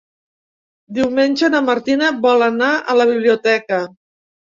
Diumenge na Martina vol anar a la biblioteca.